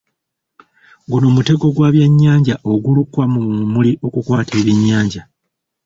Guno mutego gwa byannyanja ogulukwa mu mmuli okukwata ebyennyanja.